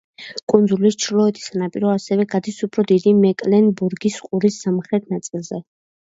კუნძულის ჩრდილოეთი სანაპირო ასევე გადის უფრო დიდი, მეკლენბურგის ყურის სამხრეთ ნაწილზე.